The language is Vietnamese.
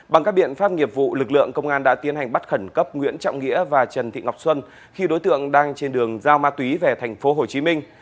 bằng các biện pháp nghiệp vụ lực lượng công an đã tiến hành bắt khẩn cấp nguyễn trọng nghĩa và trần thị ngọc xuân khi đối tượng đang trên đường giao ma túy về thành phố hồ chí minh